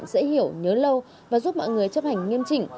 dễ hiểu nhớ lâu và giúp mọi người chấp hành nghiêm chỉnh